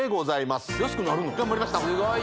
頑張りましたすごい！